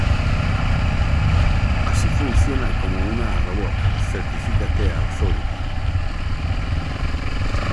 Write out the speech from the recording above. Así funciona como una robot certificate authority.